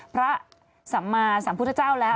สัมมาสัมพุทธเจ้าแล้ว